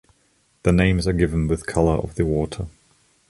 Their names are given with color of the water.